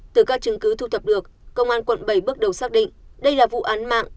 từ các chứng cứ thu thập được công an quận bảy bước đầu xác định đây là vụ án mạng